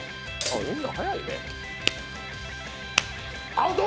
アウト！